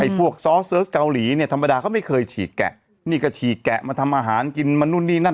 ไอ้พวกเนี่ยธรรมดาเขาไม่เคยฉีกแกะนี่ก็ฉีกแกะมาทำอาหารกินมานู่นนี่นั่น